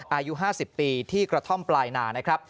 อายุ๕๐ปีที่กระท่อมปลายนา